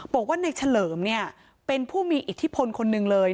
บอกว่าในเฉลิมเนี่ยเป็นผู้มีอิทธิพลคนหนึ่งเลย